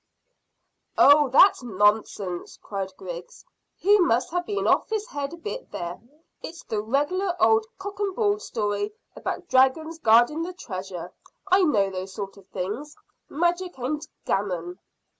"Oh, that's nonsense," cried Griggs; "he must have been off his head a bit there. It's the regular old cock and bull story about dragons guarding the treasure. I know those sort of things magic and gammon."